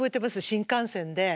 新幹線で。